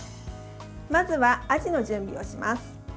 まずは、アジの準備をします。